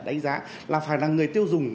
đánh giá là phải là người tiêu dùng